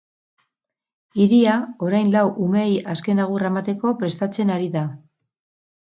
Hiria orain lau umeei azken agurra emateko prestatzen ari da.